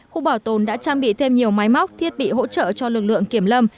khu bảo tồn đã trang bị thêm nhiều máy móc thiết bị hỗ trợ cho lực lượng kiểm lâm